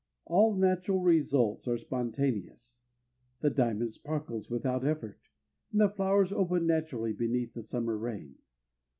All natural results are spontaneous. The diamond sparkles without effort, and the flowers open naturally beneath the Summer rain.